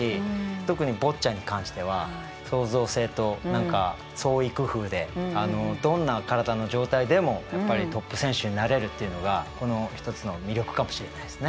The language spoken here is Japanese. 特にボッチャに関しては創造性と何か創意工夫でどんな体の状態でもやっぱりトップ選手になれるっていうのがこの一つの魅力かもしれないですね。